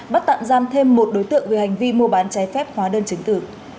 bắt tạm giam thêm một đối tượng về hành vi mua bán trái phép hóa đơn chứng tử